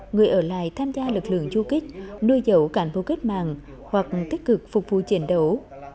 người ở lại tham gia lực lượng du kích nuôi dẫu cản vô kết mạng hoặc tích cực phục vụ chiến đấu